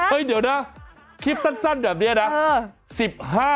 เฮ้ยเดี๋ยวนะคลิปชั่นแบบเนี้ยนะ